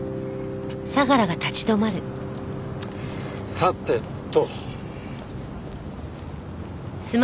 さてと。